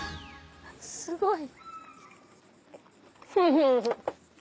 すごい。